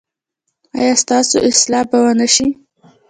ایا ستاسو اصلاح به و نه شي؟